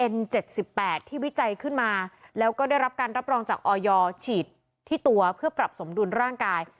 ที่วิจัยขึ้นมาแล้วก็ได้รับการรับรองจากออยฉีดที่ตัวเพื่อปรับสมดุลร่างกาย